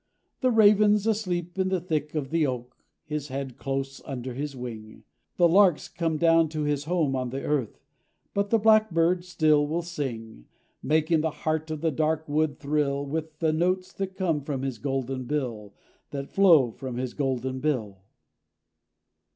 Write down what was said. The raven's asleep in the thick of the oak, His head close under his wing; The lark's come down to his home on the earth— But the blackbird still will sing, Making the heart of the dark wood thrill With the notes that come from his golden bill, That flow from his golden bill.